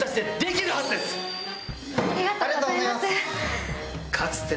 ありがとうございます！